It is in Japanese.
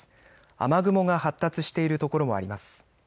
雨雲が発達している所もあります。